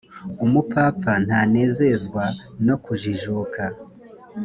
umupfapfa ntanezezwa no kujijuka